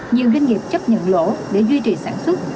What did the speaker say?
nhiều doanh nghiệp chấp nhận lỗ để duy trì sản xuất